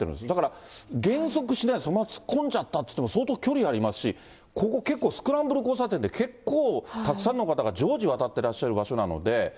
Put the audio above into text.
だから減速しないでそのまま突っ込んじゃったっていっても、相当距離ありますし、ここ結構、スクランブル交差点で、結構たくさんの方が常時渡ってらっしゃる場所なので。